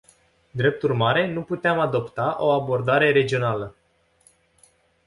Drept urmare, nu puteam adopta o abordare regională.